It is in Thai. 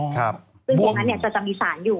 คือตรงนั้นเนี่ยจะมีสารอยู่